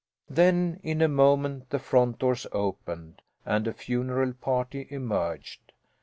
Then, in a moment, the front doors opened and a funeral party emerged.